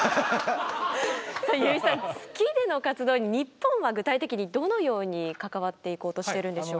さあ油井さん月での活動に日本は具体的にどのように関わっていこうとしているんでしょうか。